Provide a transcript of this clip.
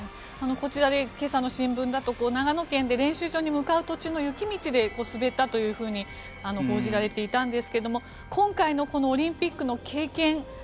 こちらで今朝の新聞だと長野県で練習場に向かう途中の雪道で滑ったというふうに報じられていたんですが今回のこのオリンピックの経験